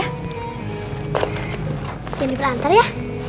jangan diperlantar ya